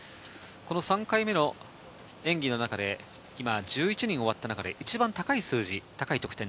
３回目の演技の中で今、１１人が終わった中で１番高い得点に